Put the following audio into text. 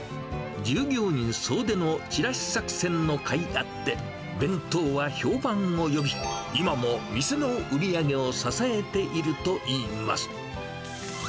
従業員総出のチラシ作戦のかいあって、弁当は評判を呼び、今も店の売り上げを支えているといいます。